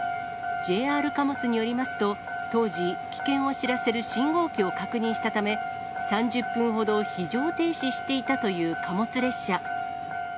ＪＲ貨物によりますと、当時、危険を知らせる信号機を確認したため、３０分ほど非常停止していたという貨物列車。